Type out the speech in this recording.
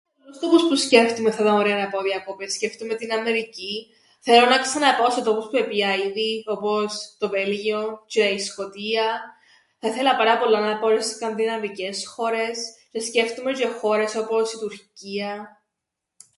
Τόπους που σκέφτουμαι ότι ήταν να 'ν' ωραία να πάω διακοπές, σκέφτουμαι την Αμερικήν. Θέλω να πάω σε τόπους που επήα ήδη, όπως το Βέλγιο τζ̆αι η Σκοτία, θα 'θελα πολλά να πάω τζ̆αι σε σκανδιναβικές χώρες τζ̆αι σκέφτουμαι τζ̆αι χώρες όπως η Τουρκία.